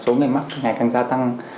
số ngày mắc ngày càng gia tăng